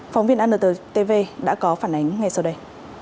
phóng viên antv đã có phản ánh ngay sau đây